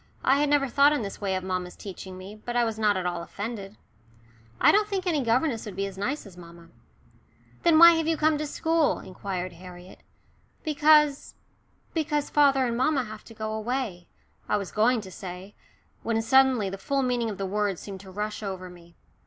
I had never thought in this way of mamma's teaching me, but I was not at all offended. "I don't think any governess would be as nice as mamma." "Then why have you come to school?" inquired Harriet. "Because" "because father and mamma have to go away," I was going to say, when suddenly the full meaning of the words seemed to rush over me.